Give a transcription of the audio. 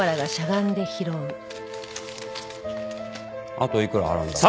あといくら払うんだっけ？